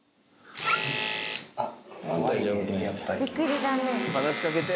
あっ。